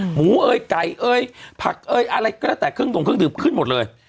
หมูเอ๊ยกร่ายเอ๊ยผักเอ๊ยอะไรก็แล้วแต่เครื่องดูขึ้นหมดเลย